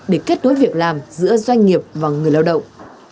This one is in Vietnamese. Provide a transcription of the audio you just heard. để kết nối việc làm giữa doanh nghiệp và người lao động